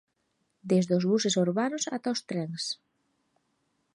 Desde os buses urbanos ata os trens.